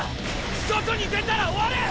外に出たら終わる！